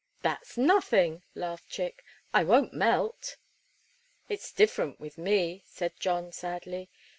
"That's nothing," laughed Chick. "I won't melt." "It's different with me," said John, sadly.